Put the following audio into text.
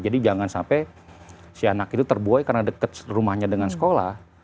jadi jangan sampai si anak itu terbuoy karena deket rumahnya dengan sekolah